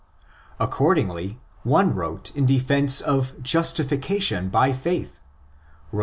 Accordingly, one wrote in defence of '' justification by faith" (Rom.